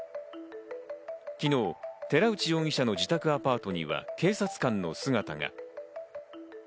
昨日、寺内容疑者の自宅アパートには警察官の姿が。